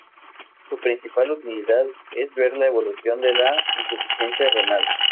Su principal utilidad es ver la evolución de la insuficiencia renal.